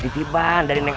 jeki datang lagi